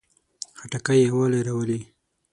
خټکی یووالی راولي.